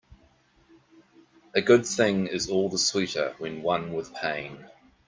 A good thing is all the sweeter when won with pain.